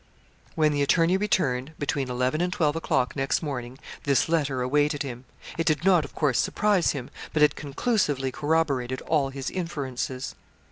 When the attorney returned, between eleven and twelve o'clock next morning, this letter awaited him. It did not, of course, surprise him, but it conclusively corroborated all his inferences.